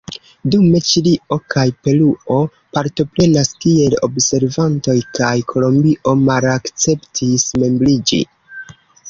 Dume Ĉilio kaj Peruo partoprenas kiel observantoj kaj Kolombio malakceptis membriĝi.